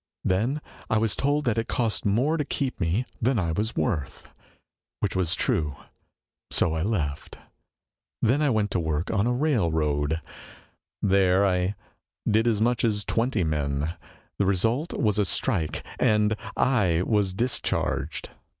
Then I was told that it cost more to keep me than I was worth ; which was true. So I left. Then I 'went to \vork on a railroad. There I did as much as twenty men. The result was a strike, and I was discharged."